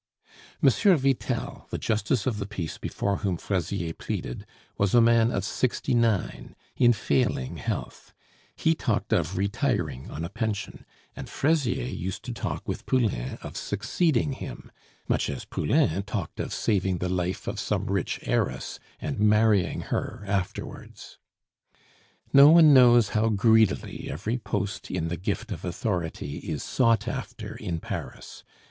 M. Vitel, the justice of the peace before whom Fraisier pleaded, was a man of sixty nine, in failing health; he talked of retiring on a pension; and Fraisier used to talk with Poulain of succeeding him, much as Poulain talked of saving the life of some rich heiress and marrying her afterwards. No one knows how greedily every post in the gift of authority is sought after in Paris.